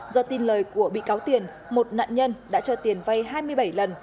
do tin lời của bị cáo tiền một nạn nhân đã cho tiền vay hai mươi bảy lần